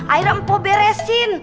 akhirnya empo beresin